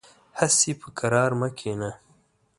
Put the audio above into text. هسې په قرار مه کېنه .